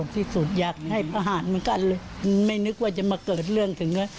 อยากเผาติสุดอยากให้พระหารเหมือนกันไม่นึกว่าจะมาเกิดเรื่องถึง